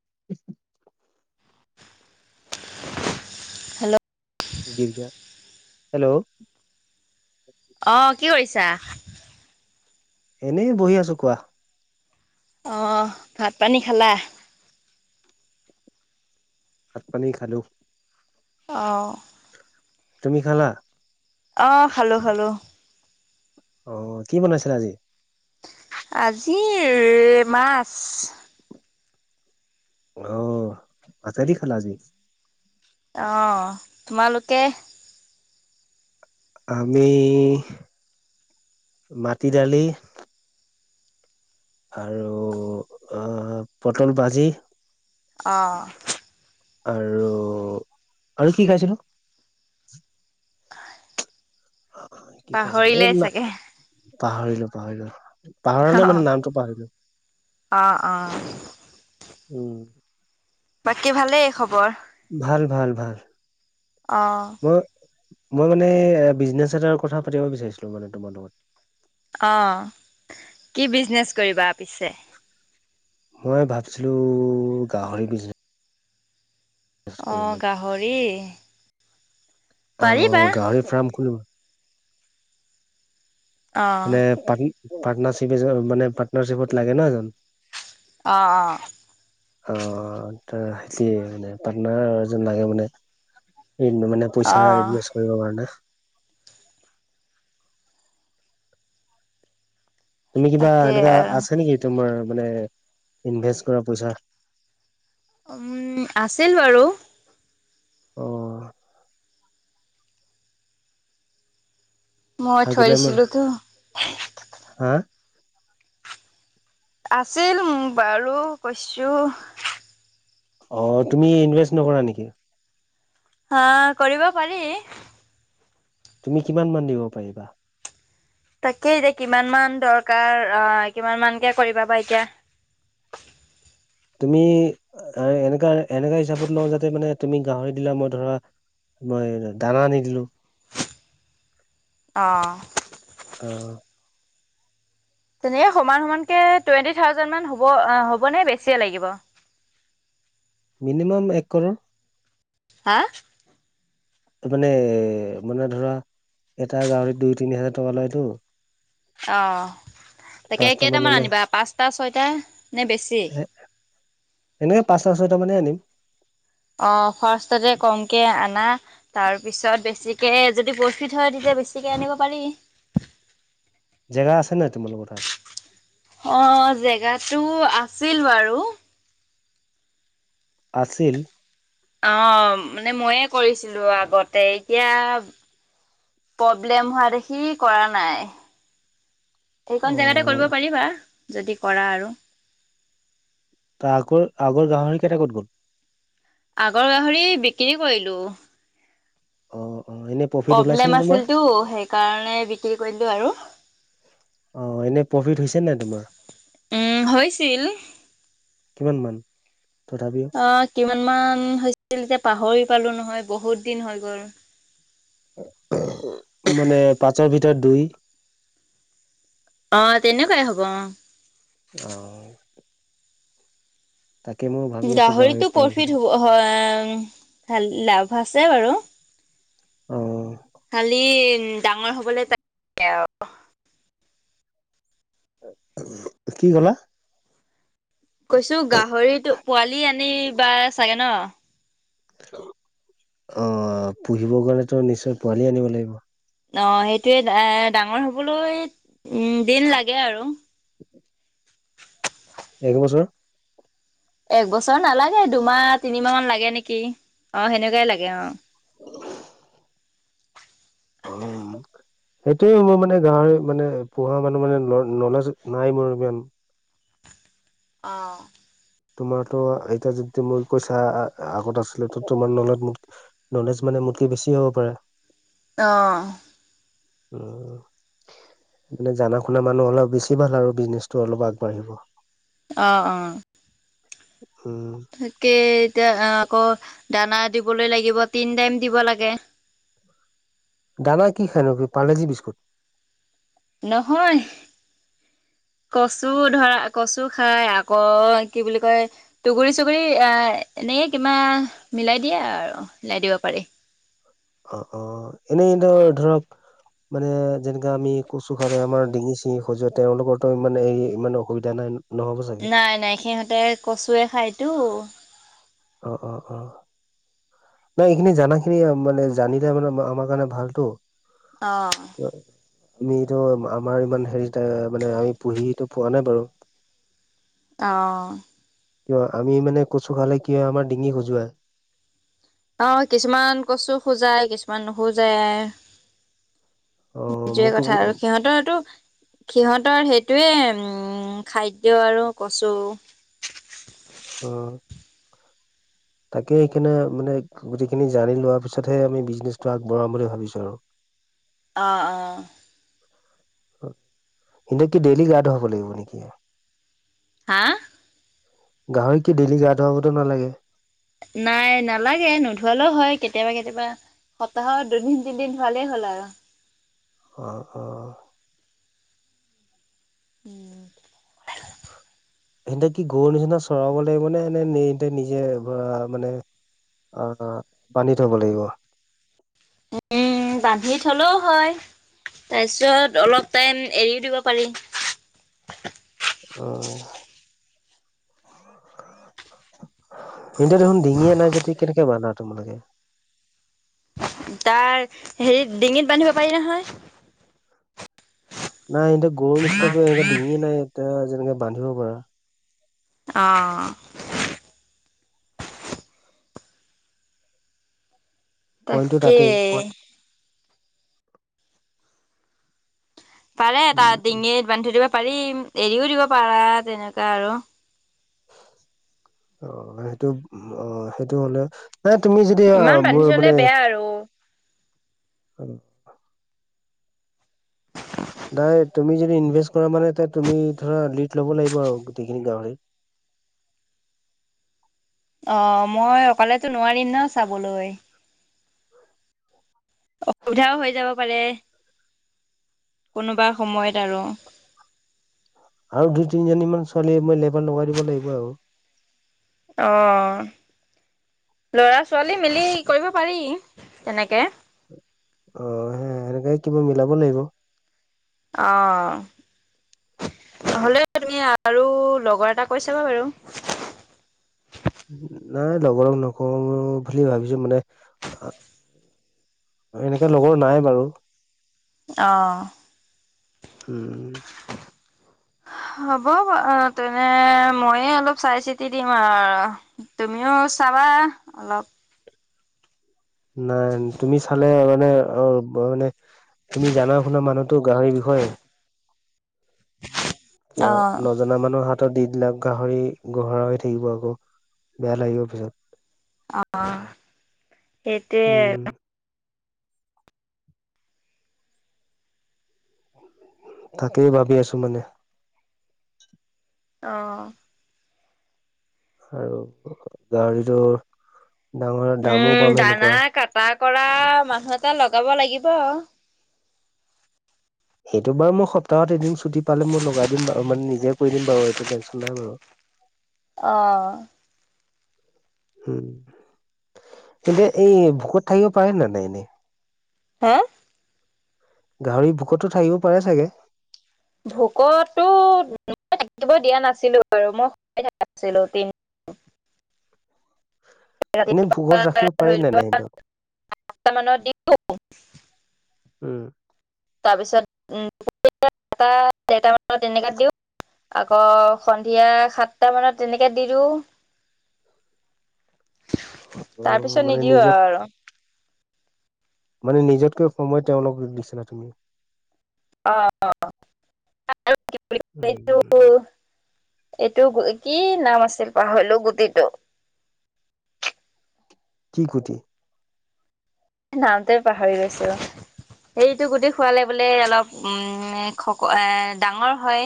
[inaudible] Hello দিল গেয়া hello অহ কি কৰিছা? এনেই বহি আছো। কোৱা? অহ ভাত পানী খালা? ভাত পানী খালো। অহ। তুমি খালা? অ খালো খালো। অ কি বনাইছিলে আজি? আজি মাছ। অহ আচাদি খালা আজি। অ, তোমালোকে? আমি মাটি দালি আৰু আহ পটল ভাজি, অঁ আৰু আৰু কি খাইছিলো। কি খাইছিলো এই পাহৰিলে না চাগে। পাহৰিলো পাহৰিলো। অ পাহাৰ মানে নামটো পাহৰিলো। অ অ উম বাকী ভালেই খবৰ ভাল ভাল ভাল আহঁ মই মই মানে এ বিজনেছ এটাৰ কথা পাতিব বিচাৰিছিলো মানে তোমাৰ লগত, অ কি বিজনেচ কৰিবা পিছে? মই ভাবছিলো গাহৰি বিজনে অ গাহৰি অ পাৰিবা গাহৰি ফাৰ্ম কৰিব অ মান পাৰ্নাৰ্বিপ মানে পাৰ্টনাৰশিপত লাগে ন এজন অঁ অঁ অ সেতিে মানে পাৰ্টনাৰজন লাগে মানে মানে অ পইচা ইনভেষ্ট কৰিব পাৰ না তুমি কিবা তাকে এনেকুৱা আৰু আছা নেকি তোমাৰ মানে ইনভেষ্ট কৰা পইচা উম আছিল বাৰু, আহ মই থৈ থাকিলে মোৰ দিছিলো তো হা আছিল মো বাৰু কৈছো অ তুমি ইনভেষ্ট নকৰা নেকি হা কৰিব পাৰি তুমি কিমান মান দিব পাৰিবা তাকেই এতিয়া কিমান মান দৰকাৰ আহ কিমান মানকে কৰিবা বা এতিয়া [inaudible] তুমি এনেকা এনেকা হিচাপত লওঁ যাতে মানে তুমি গাহৰি দিলা মই ধৰা মই দানা আনি দিলো অহ অ তেনে সমান সমানকে টুৱেণ্টি থাউজেণ্ড হব হ'বনে বেছিয়ে লাগিব। মিনিমাম এক কৰৰ। হা তামানে এ মানে ধৰা এটা গাহৰিত দুই তিনি হাজাৰ টকা লয়তো। অ তাকে পাঁচটা মান কেইটামান ললে আনিবা পাঁচটা ছয়টা নে বেছি। সেনেকে পাঁচটা ছয়টা মানে আনিম। অ ফাৰ্ষ্টতে কমকে আনা তাৰ পিছত বেছিকে যদি প্ৰফিট হয় তেতিয়া বেছিকে আনিব পাৰি। জেগা আছে নাই তোমালোকৰ তাত অ জেগোতো আছিল বাৰু আছিল। অ মানে ময়ে কৰিছিলো আগতে এতিয়া প্ৰব্লেম হোৱা দেখি কৰা নাই। অ এইকোন জেগাতে কৰিব পাৰিবা। যদি কৰা আৰু? তাকৈ আগৰ গাহৰি কেইট কত গ'ল? আগৰ গাহৰি বিক্ৰী কৰিলো। অ' অ এনে প্ৰফিট ওলাইছে নে প্ৰব্লেম তোমাৰ আছিলতো সেইকাৰণে বিক্ৰী কৰিলো আৰু। অ এনে প্ৰফিট হৈছে নাই তোমাৰ? উম হৈছিল। কিমান মান? তথাপিও অ' কিমান মান হৈছিল এতিয়া পাহৰি পালো নহয় বহুত দিন হৈ গ'ল। মানে পাঁচৰ ভিতৰত দুই? অ তেনেকুৱাই হ'ব অ' আহ আছো গাহৰি গাহৰিতো ফাৰ্ম প্ৰফিট খুলিম হু হ এ ভাল লাভ আছে বাৰু। অ খালি ডাঙৰ হবলৈ বাকী আৰু। কি কলা? কৈছো গাহৰিতো পোৱালি আনিবা চাগে ন? অ পুহিব কাৰণে তো নিশ্চয় পোৱালি আনিব লাগিব! অ সেইটয়ে এ ডাঙৰ হবলৈ উম দিন লাগে আৰু। এক বছৰ? এক বছৰ নালাগে, দুমাহ-তিনিমাহ মান লাগে নেকি। অ, সেনেকুৱাই লাগে অ উ উম সেইটয়ে মোৰ মানে গাঁহৰী মানে পো়হা মানুহ মানে নলেজ নাই মোৰ ইমান। অঁ তোমাৰতো এতিয়া য মোৰ কইছা আগত আছিল ত তোমাৰ ন মোক নলেজ মানে মোতকে বেছি হ'ব পাৰে। আহ উম মানে জাননা শুনা মানুহ হোলে বেছি ভাল আৰু বিজনেছটো অলপ আগবাঢ়িব। অ অ উম তাকে এতিয়া আকৌ দানা দিবলৈ লাগিব, তিন টাইম দিব লাগে। দানা কি খাই ন? পৰলেজি বিস্কুট! নহয়। [inaudible] কচু ধৰা, কচু খাই আকৌ কি বুলি কয় দুগুৰি- চুগুৰি আহ এনে কিবা মিলাই দিয়ে আৰু মিলাই দিব পাৰি। অ অ এনেই ধৰ ধৰক মানে যেনেকা আমি কচু খাৰে আমাৰ ডিঙি-চিঙি খজুৱায়ে। তেওঁওলোকৰ তাৰমানে এই ইমান অসুবিধা নাই! নহ'ব চাগে নাই নাই সিহঁতে কচুৱে খায়তো অ অ অ নাই এইখিনি জানা খিনি মানে জানিলে মানে আমাৰ কাৰণে ভালতটো। অ আমিতো আমাৰ ইমান হেৰি মানে আমি পুহিটো পোৱা নাই বাৰু। অ কিয় আমি মানে কচু খালে কি হয় আমাৰ ডিঙি খজোৱায়। অ কিছুমান কছো খোজাই কিছুমান নোখোজাই। অ সেইটোৱে মোকতো কথা আৰু, সিহঁতৰটো সিহঁতৰ সেই সেইটোৱে উম খাদ্য আৰু কচু হ [unintelligible] তাকে সেইকাৰণে মানে গোটেইখিনি জানি লোৱা পিছতহে আমি বিজনেছটো আগবঢ়াম বুলি ভাবিছো আৰু [unintelligible] অঁ অঁ সেইটো কি ডেইলি গা ধুৱাব লাগিব নেকি? হা গাহৰিক ডেইলি গা ধুৱাবতো নালাগে? নাই নালাগে নোধোৱালেও হয় কেতিয়াবা কেতিয়াবা, সপ্তাহত দুদিন তিনিদিন ভালেই হ'ল আৰু অ অ উম [inaudible] হেতে কি গৰু নিচিনা চৰাব লাগিব নে এনে এতে নিজে ধৰা মানে অ বান্ধি থব লাগিব। উম বান্ধি থলেও হয়। তাৰপিছত অলপ টাইম এৰিও দিব পাৰি। অ। [unintelligible] দেখোন ডিঙিয়ে নাই যদি কেনেকে বানা তোমালোকে? তাৰ হেৰিত ডিঙিত বান্ধিব পাৰি নহয়। নাই এতে গৰু নিচিনাতো এনে ডিঙিয়ে নাই এয়া যেনেকে বান্ধিব পাৰা। অ পইণ্টটো তাকে। তাতেই পাৰে তা উম উম। ডিঙিত বান্ধি দিব পাৰি, এৰিও দিব পাৰা তেনেকুৱা আৰু অ সেইটো অ সেইটো হলে নাই তুমি যদি ইমান বান্ধি মোৰ থলে মানে বেয়া আৰু। নাই তুমি যদি ইনভেষ্ট কৰা মানে এয়া তুমি ধৰা লীড ল'ব লাগিব আৰু গোটেইখিনি গাহৰি। [inaudible] অ মই অকলেতো নোৱাৰিম ন চাবলৈ অসুবিধাও হৈ যাব পাৰে। কোনোবা সময়ত আৰু আৰু দুই তিনিজনী মান ছোৱলী মই লেবাৰ লগাই দিব লাগিব আৰু। অ ল'ৰা ছোৱালী মিলি কৰিব পাৰি তেনেকে অ সে সেনেকে কিবা মিলাব লাগিব অ নহ'লেও তুমি আৰু লগৰ এটা কৈছা বা বাৰু নাই লগৰ নকৰো বুলি ভাবিছো মানে। এনেকে লগৰ নাই বাৰু। অ'। উম। হ'ব বাৰু, তেনে ময়ে অলপ চাই চিতি দিম আৰু তুমিও। চাবা অলপ। নাই তুমি চালে মানে অ', মানে। তুমি জানা শুনা মানুহতো গাহৰিৰ বিষয়ে। কিয় অ'। নজনা মানুহ হাত। দি দিলে গাহৰি গোহৰা হৈ থাকিব আকৌ, বেয়া লাগিব পিছত। অ', সেইটোয়ে উম, আৰু। তাকেই ভাবি আছোঁ মানে। অ'। আৰু গাহৰিটো। ডাঙৰ দামো উম পাম দানা সেনেকুৱা। কাটা কৰা মানুহ এটা লগাব লাগিব। সেইটো বাৰু মই সপ্তাহত এদিন ছুটি পালে মই লগাই দিম বাৰু মানে নিজে কৰি দিম বাৰু এইটো টেনশ্যন নাই বাৰু। অ'। হুম। এতিয়া এই ভোকত থাকিব পাৰে নে নাই এনেই? হে? গাহৰি ভোকতো থাকিব পাৰে চাগে? ভোকত টো [inaudible] থাকিব দিয়া নাছিলোঁ বাৰু মই [inaudible] নাছিলো দিন। [inaudible] এনেই ভোকত ৰাখিব পাৰি ধৰি নে নাই সেইটোক? লোৱা মানত দিওঁ উম। তাৰপিছত [unintelligible] এটা ডেৰটা মানত তেনেকাত দিওঁ। আকৌ সন্ধিয়া সাতটা মানত তেনেকে দি দিওঁ। অ' তাৰপিছত মানে নিদিওঁ নিজত আও আৰু। মানে নিজতকৈ সময় তেওঁলোকক দিছিলা তুমি? অ', [unintelligible] উম। এইটো কি নাম আছিল পাহৰিলো গুটিটো। কি গুটি? নামটোৱে পাহৰি গৈছোঁ ৰ। এইটো গুটি খুৱালে বোলে অলপ উ এ শকো এ ডাঙৰ হয়।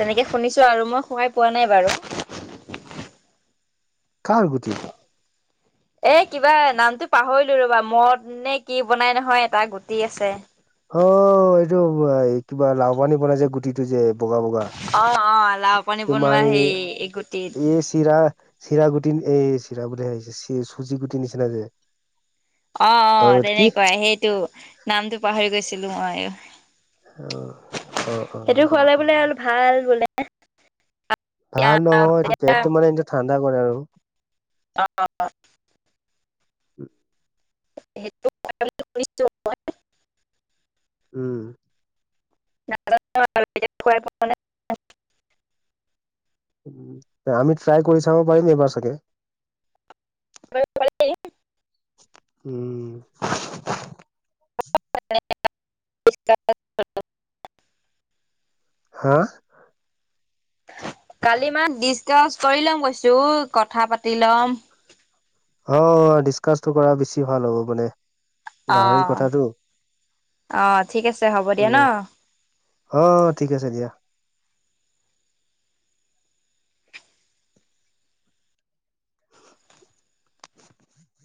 তেনেকে শুনিছোঁ আৰু মই খুৱাই পোৱা নাই বাৰু। [inaudible] কাৰ গুটি? এ কিবা নামটো পাহৰিলো ৰবা, মদ নে কি বনাই নহয় এটা গুটি আছে। অ', এইটো আ এই কিবা লাও পানী বনাই যে গুটিটো যে। বগা বগা অ', অ', লাও পানী তোমাৰ বনোৱা এই সেই গুটিত এই চিৰা চিৰা গুটি এই চিৰা বুলি আহিছে চুজি গুটিৰ নিচিনা যে। অ', অ', তেনেকুৱাই সেইটো নামটো পাহৰি গৈছিলো মই। অ', অ', সেইটো অ'। খোৱালে বোলে আৰু ভাল বোলে। ভাল নহয় এইটো পেটটো মানে এনে ঠাণ্ডা কৰে আৰু। অ', অ'। সেইটো [unintelligible] উম। [unintelligible] অ' আমি ট্ৰাই কৰি চাব পাৰিম এইবাৰ চাগে। উম উম। [unintelligible] হা! কালি মানে ডিচকাচ কৰি ল'ম কৈছো কথা পাতি লম। অ ডিচকাচটো কৰা বেছি ভাল হ'ব মানে গাহৰিৰ অ', কথাটো। অ', ঠিক আছে হ'ব দিয়া ন। কোনে অ ঠিক আছে দিয়া।